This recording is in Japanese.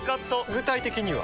具体的には？